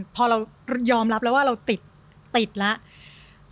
พอเรายอมรับแล้วว่าเราติดแล้ว